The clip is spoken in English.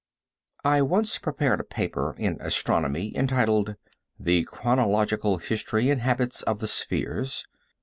I once prepared a paper in astronomy entitled "The Chronological History and Habits of the Spheres."